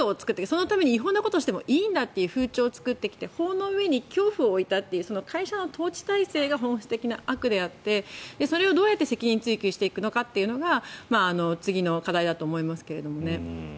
そのために違法なことをしてもいいんだという風潮を作って法の上に恐怖を置いたという会社の統治体制が本質的な悪であってそれをどうやって責任追及していくのかというのが次の課題だと思いますけどね。